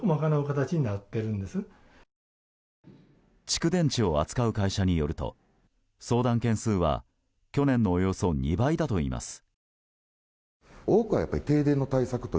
蓄電池を扱う会社によると相談件数は去年のおよそ２倍だといいます。